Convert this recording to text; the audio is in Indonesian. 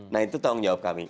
nah itu tanggung jawab kami